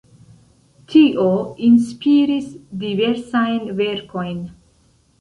Tio inspiris diversajn verkojn.